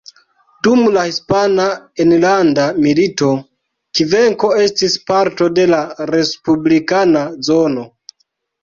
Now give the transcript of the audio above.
Dum la Hispana Enlanda Milito, Kvenko estis parto de la respublikana zono.